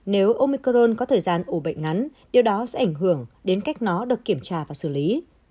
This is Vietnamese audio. nếu omicron có thời gian ủ bệnh ngắn điều đó sẽ ảnh hưởng đến cách nó được kiểm tra và xử lý